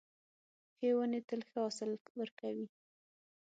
ښې ونې تل ښه حاصل ورکوي .